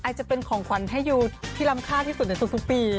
อาจจะเป็นของควรให้อยู่ที่รำคาที่สุดในสุดปี